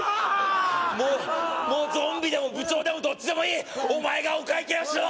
もうもうゾンビでも部長でもどっちでもいいお前がお会計をしろ！